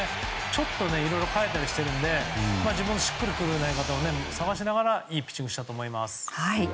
ちょっと、いろいろ変えたりして自分のしっくりくる投げ方を探しながらいいピッチングをしたと思います。